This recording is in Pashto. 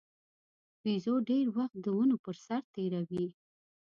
بیزو ډېر وخت د ونو پر سر تېروي.